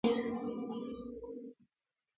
د هغه ملګري باید بل ځای ته ولېږل شي.